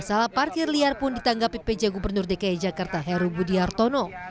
masalah parkir liar pun ditanggapi pj gubernur dki jakarta heru budi hartono